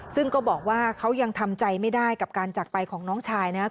ซึ่งก็บอกว่าเขายังทำใจไม่ได้กับการจากไปของน้องชายนะครับ